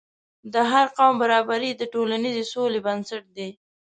د هر قوم برابري د ټولنیزې سولې بنسټ دی.